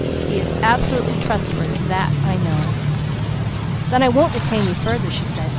He is absolutely trustworthy, that I know." "Then I won't detain your further," she said.